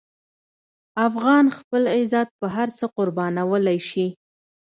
افغان خپل عزت په هر څه قربانولی شي.